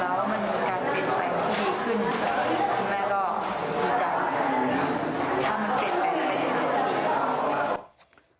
แล้วว่ามันมีการเปลี่ยนแสดงชีวิตขึ้นคุณแม่ก็คิดจะถ้ามันเปลี่ยนแสดงชีวิตก็จะเปลี่ยนแสดงชีวิต